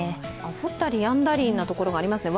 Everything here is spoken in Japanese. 降ったりやんだりなところもありますね。